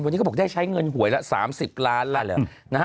วันนี้ก็บอกได้ใช้เงินหวยละ๓๐ล้านล่ะ